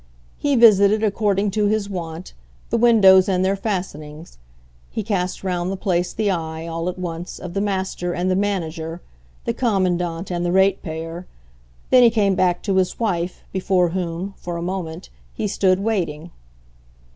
He visited, according to his wont, the windows and their fastenings; he cast round the place the eye, all at once, of the master and the manager, the commandant and the rate payer; then he came back to his wife, before whom, for a moment, he stood waiting.